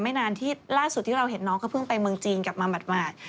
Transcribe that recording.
นานที่ล่าสุดที่เราเห็นน้องเขาเพิ่งไปเมืองจีนกลับมาหมาด